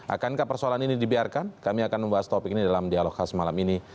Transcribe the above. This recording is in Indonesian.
akankah persoalan ini dibiarkan kami akan membahas topik ini dalam dialog khas malam ini